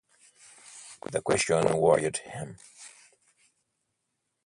The question worried him.